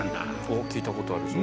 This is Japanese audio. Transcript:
おっ聞いたことあるぞ。